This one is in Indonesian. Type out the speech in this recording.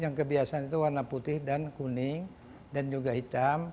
yang kebiasaan itu warna putih dan kuning dan juga hitam